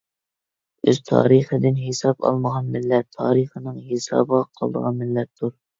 ئۆز تارىخىدىن ھېساب ئالمىغان مىللەت تارىخنىڭ ھېسابىغا قالىدىغان مىللەتتۇر.